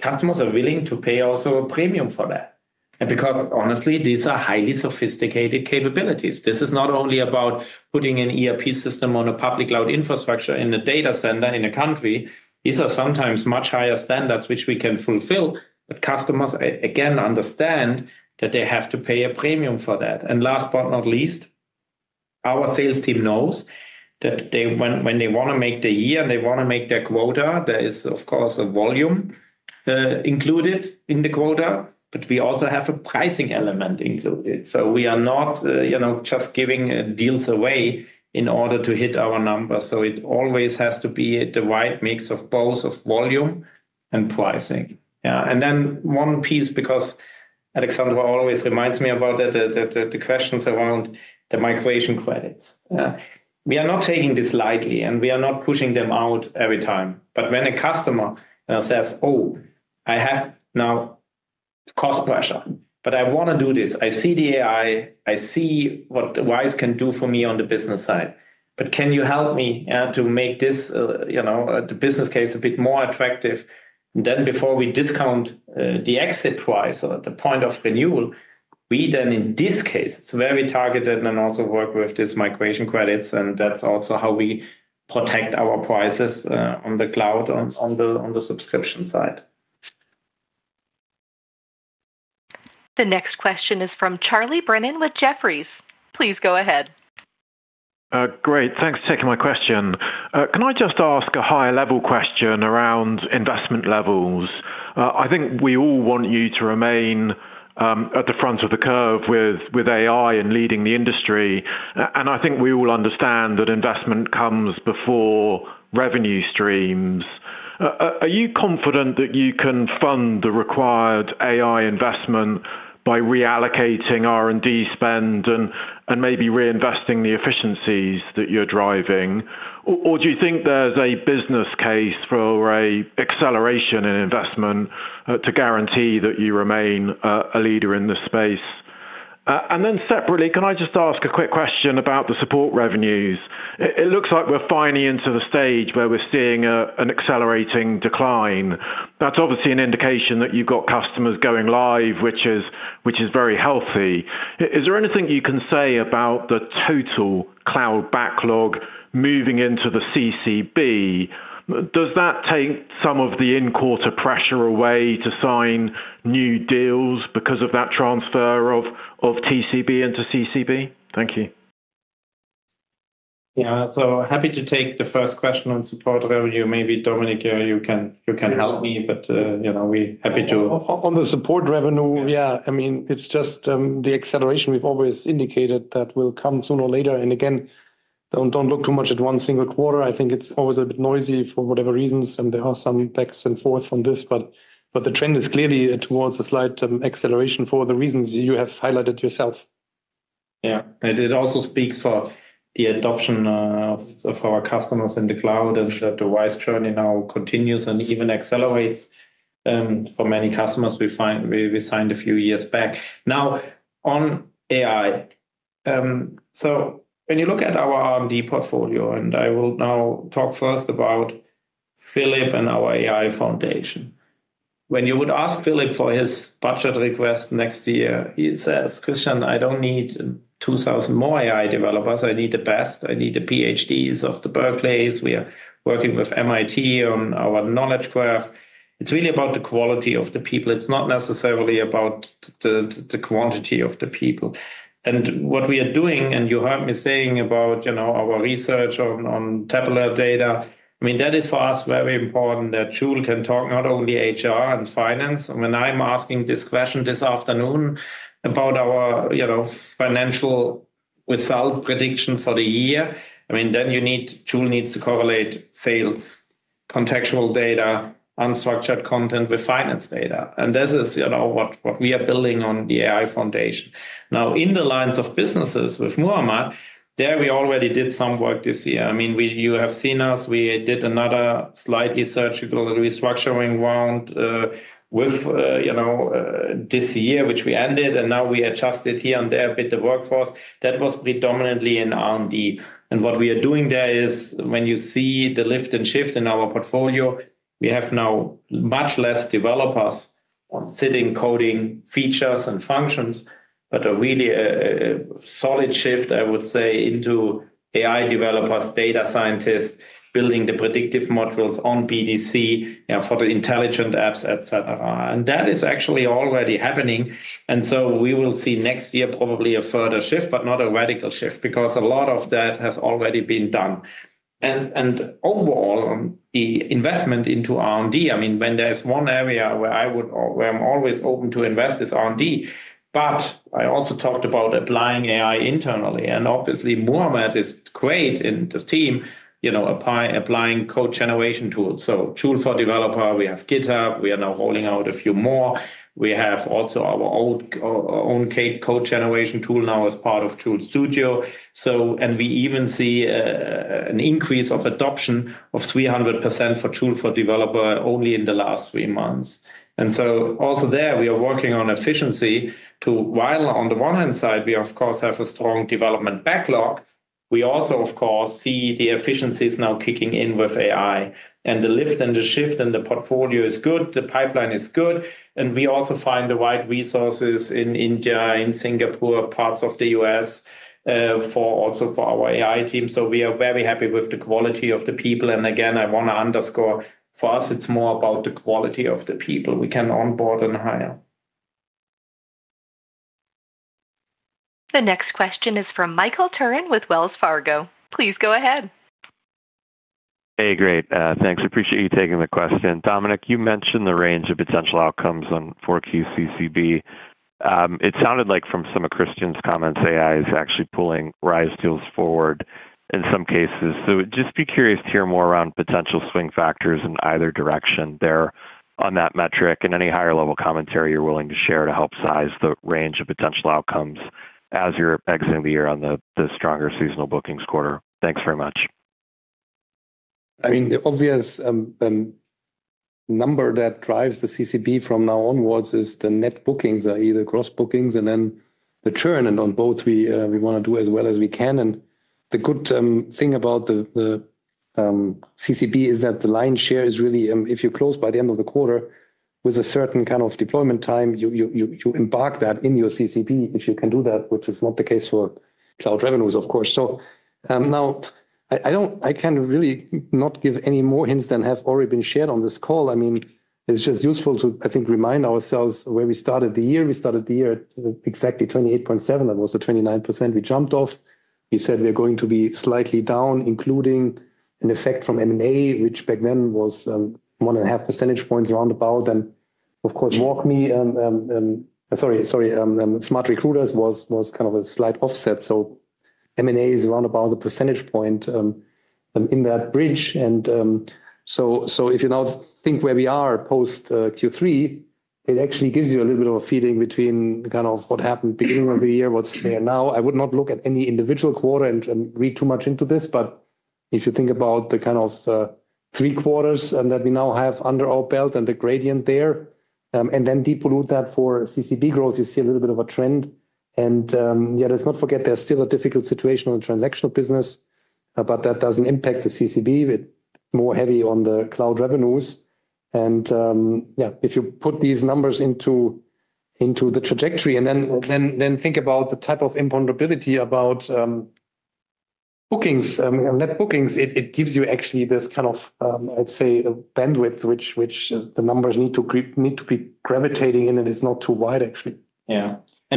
Customers are willing to pay also a premium for that. Honestly, these are highly sophisticated capabilities. This is not only about putting an ERP system on a public cloud infrastructure in a data center in a country. These are sometimes much higher standards which we can fulfill. Customers, again, understand that they have to pay a premium for that. Last but not least, our sales team knows that when they want to make the year and they want to make their quota, there is, of course, a volume included in the quota. We also have a pricing element included. We are not just giving deals away in order to hit our numbers. It always has to be a wide mix of both of volume and pricing. One piece, because Alexandra always reminds me about it, is the questions around the migration credits. We are not taking this lightly and we are not pushing them out every time. When a customer says, oh, I have now cost pressure, but I want to do this. I see the AI, I see what Wise can do for me on the business side. Can you help me to make this, you know, the business case a bit more attractive? Before we discount the exit price or the point of renewal, in this case, it's very targeted and we also work with these migration credits. That's also how we protect our prices on the cloud, on the subscription side. The next question is from Charlie Brennan with Jefferies. Please go ahead. Great, thanks for taking my question. Can I just ask a high-level question around investment levels? I think we all want you to remain at the front of the curve with AI and leading the industry. I think we all understand that investment comes before revenue streams. Are you confident that you can fund the required AI investment by reallocating R&D spend and maybe reinvesting the efficiencies that you're driving? Do you think there's a business case for an acceleration in investment to guarantee that you remain a leader in this space? Separately, can I just ask a quick question about the support revenues? It looks like we're finally into the stage where we're seeing an accelerating decline. That's obviously an indication that you've got customers going live, which is very healthy. Is there anything you can say about the total cloud backlog moving into the CCB? Does that take some of the in-quarter pressure away to sign new deals because of that transfer of TCB into CCB? Thank you. Yeah, happy to take the first question on support revenue. Maybe Dominik, you can help me, but we're happy to. On the support revenue, yeah, I mean, it's just the acceleration we've always indicated that will come sooner or later. Again, don't look too much at one single quarter. I think it's always a bit noisy for whatever reasons, and there are some backs and forths on this. The trend is clearly towards a slight acceleration for the reasons you have highlighted yourself. Yeah, it also speaks for the adoption of our customers in the cloud as the RISE journey now continues and even accelerates for many customers we signed a few years back. Now, on AI, when you look at our R&D portfolio, I will now talk first about Philip and our AI foundation. When you would ask Philip for his budget request next year, he says, "Christian, I don't need 2,000 more AI developers. I need the best. I need the PhDs of the Berkeleys. We are working with MIT on our knowledge graph." It's really about the quality of the people. It's not necessarily about the quantity of the people. What we are doing, and you heard me saying about our research on tabular data, that is for us very important that Joule can talk not only HR and finance. When I'm asking this question this afternoon about our financial result prediction for the year, then Joule needs to correlate sales, contextual data, unstructured content with finance data. This is what we are building on the AI foundation. Now, in the lines of businesses with Muhammad, we already did some work this year. You have seen us. We did another slightly surgical restructuring round this year, which we ended, and now we adjusted here and there a bit the workforce. That was predominantly in R&D. What we are doing there is when you see the lift and shift in our portfolio, we have now much less developers sitting coding features and functions, but a really solid shift, I would say, into AI developers, data scientists, building the predictive modules on BDC for the intelligent apps, etc. That is actually already happening. We will see next year probably a further shift, but not a radical shift because a lot of that has already been done. Overall, the investment into R&D, when there's one area where I'm always open to invest is R&D. I also talked about applying AI internally. Obviously, Muhammad is great in this team, applying code generation tools. Joule for Developer, we have GitHub. We are now rolling out a few more. We have also our own code generation tool now as part of Joule Studio. We even see an increase of adoption of 300% for Joule for Developer only in the last three months. Also there, we are working on efficiency. While on the one hand side, we of course have a strong development backlog, we also, of course, see the efficiencies now kicking in with AI. The lift and the shift in the portfolio is good. The pipeline is good. We also find the right resources in India, in Singapore, parts of the U.S., also for our AI team. We are very happy with the quality of the people. I want to underscore, for us, it's more about the quality of the people we can onboard and hire. The next question is from Michael Turrin with Wells Fargo. Please go ahead. Hey, great. Thanks. I appreciate you taking the question. Dominik, you mentioned the range of potential outcomes on 4Q CCB. It sounded like from some of Christian's comments, AI is actually pulling RISE deals forward in some cases. I'd just be curious to hear more around potential swing factors in either direction there on that metric and any higher-level commentary you're willing to share to help size the range of potential outcomes as you're exiting the year on the stronger seasonal bookings quarter. Thanks very much. I mean, the obvious number that drives the CCB from now onwards is the net bookings, either cross bookings and then the churn. On both, we want to do as well as we can. The good thing about the CCB is that the lion's share is really, if you close by the end of the quarter with a certain kind of deployment time, you embark that in your CCB if you can do that, which is not the case for cloud revenues, of course. Now, I can really not give any more hints than have already been shared on this call. I mean, it's just useful to, I think, remind ourselves where we started the year. We started the year at exactly 28.7 billion. That was the 29% we jumped off. We said we are going to be slightly down, including an effect from M&A, which back then was 1.5 percentage points roundabout. Of course, WalkMe, sorry, SmartRecruiters was kind of a slight offset. M&A is around about the percentage point in that bridge. If you now think where we are post-Q3, it actually gives you a little bit of a feeling between kind of what happened at the beginning of the year, what's there now. I would not look at any individual quarter and read too much into this, but if you think about the kind of three quarters that we now have under our belt and the gradient there, and then depollute that for CCB growth, you see a little bit of a trend. Let's not forget there's still a difficult situation in the transactional business, but that doesn't impact the CCB. It's more heavy on the cloud revenues. If you put these numbers into the trajectory and then think about the type of imponderability about bookings, net bookings, it gives you actually this kind of, I'd say, a bandwidth which the numbers need to be gravitating in and it's not too wide, actually.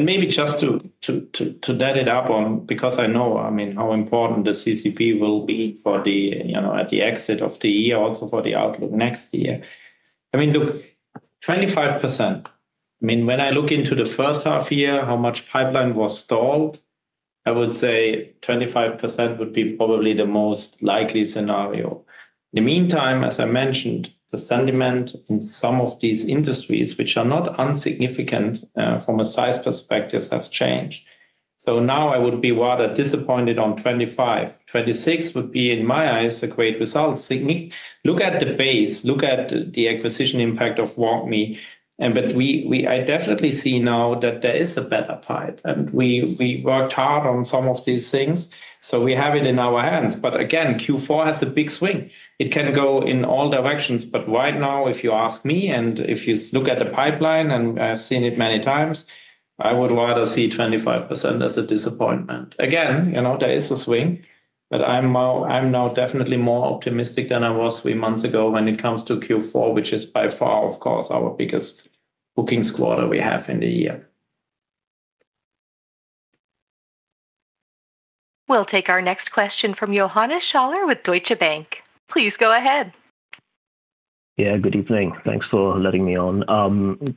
Maybe just to add it up on because I know, I mean, how important the CCB will be for the, you know, at the exit of the year, also for the outlook next year. I mean, look, 25%. I mean, when I look into the first half year, how much pipeline was stalled, I would say 25% would be probably the most likely scenario. In the meantime, as I mentioned, the sentiment in some of these industries, which are not insignificant from a size perspective, has changed. Now I would be rather disappointed on 25%. 26% would be, in my eyes, a great result. Look at the base, look at the acquisition impact of WalkMe. I definitely see now that there is a better pipe. We worked hard on some of these things. We have it in our hands. Again, Q4 has a big swing. It can go in all directions. Right now, if you ask me and if you look at the pipeline, and I've seen it many times, I would rather see 25% as a disappointment. Again, there is a swing, but I'm now definitely more optimistic than I was three months ago when it comes to Q4, which is by far, of course, our biggest bookings quarter we have in the year. We'll take our next question from Johannes Schaller with Deutsche Bank. Please go ahead. Yeah, good evening. Thanks for letting me on.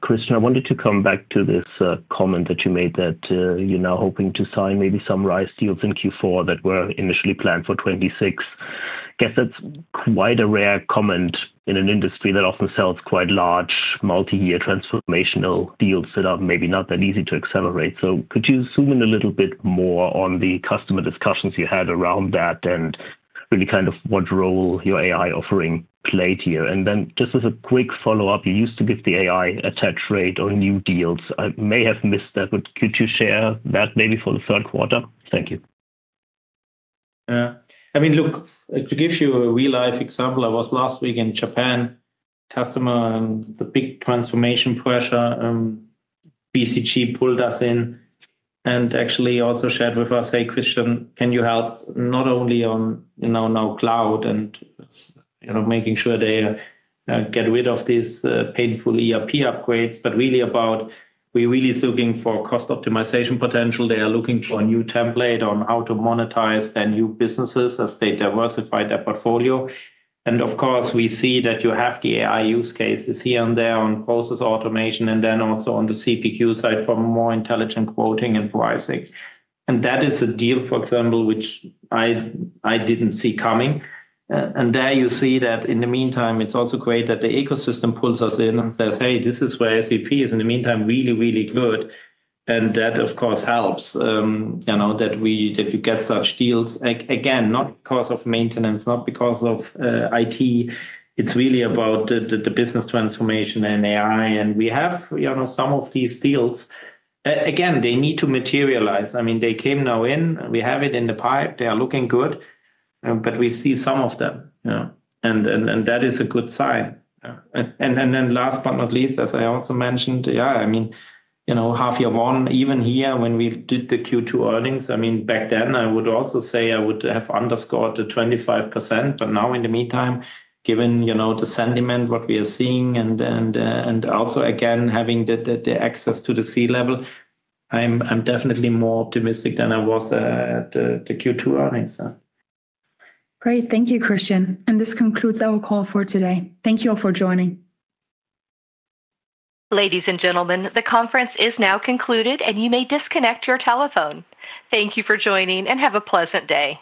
Christian, I wanted to come back to this comment that you made that you're now hoping to sign maybe some RISE deals in Q4 that were initially planned for 2026. I guess that's quite a rare comment in an industry that often sells quite large, multi-year transformational deals that are maybe not that easy to accelerate. Could you zoom in a little bit more on the customer discussions you had around that and really kind of what role your AI offering played here? Just as a quick follow-up, you used to give the AI attach rate on new deals. I may have missed that, but could you share that maybe for the third quarter? Thank you. Yeah, I mean, look, to give you a real-life example, I was last week in Japan. A customer and the big transformation pressure, BCG pulled us in and actually also shared with us, "Hey, Christian, can you help not only on now cloud and making sure they get rid of these painful ERP upgrades, but really about we really are looking for cost optimization potential. They are looking for a new template on how to monetize their new businesses as they diversify their portfolio. Of course, we see that you have the AI use cases here and there on process automation and then also on the CPQ side for more intelligent quoting and pricing. That is a deal, for example, which I didn't see coming. There you see that in the meantime, it's also great that the ecosystem pulls us in and says, "Hey, this is where SAP is in the meantime really, really good." That, of course, helps, you know, that you get such deals. Again, not because of maintenance, not because of IT. It's really about the business transformation and AI. We have some of these deals. Again, they need to materialize. I mean, they came now in. We have it in the pipe. They are looking good. We see some of them. That is a good sign. Last but not least, as I also mentioned, yeah, I mean, you know, half year one, even here when we did the Q2 earnings, I mean, back then I would also say I would have underscored the 25%. Now, in the meantime, given the sentiment, what we are seeing, and also again having the access to the C level, I'm definitely more optimistic than I was at the Q2 earnings. Great, thank you, Christian. This concludes our call for today. Thank you all for joining. Ladies and gentlemen, the conference is now concluded and you may disconnect your telephone. Thank you for joining and have a pleasant day.